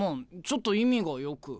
ちょっと意味がよく。